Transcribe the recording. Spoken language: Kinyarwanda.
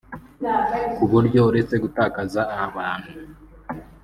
ku buryo uretse gutakaza abantu